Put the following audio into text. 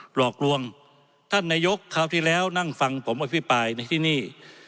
หลอกลวงท่านนายกคราวที่แล้วนั่งฟังผมอภิปรายในที่นี่